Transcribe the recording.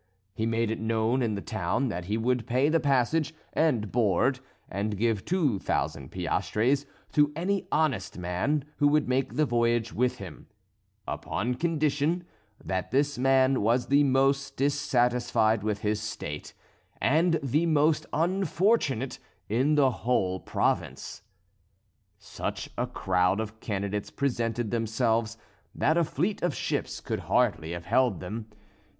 He made it known in the town that he would pay the passage and board and give two thousand piastres to any honest man who would make the voyage with him, upon condition that this man was the most dissatisfied with his state, and the most unfortunate in the whole province. Such a crowd of candidates presented themselves that a fleet of ships could hardly have held them.